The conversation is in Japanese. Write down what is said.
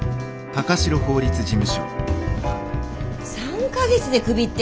３か月でクビって。